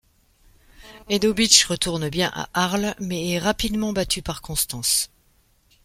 Edobich retourne bien à Arles, mais est rapidement battu par Constance.